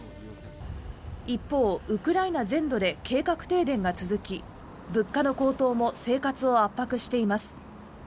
一方、ウクライナ全土で計画停電が続き物価の高騰も生活を圧迫しています。